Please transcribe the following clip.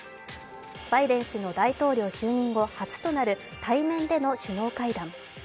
バイデン氏の大統領就任後初となる対面での首脳会談。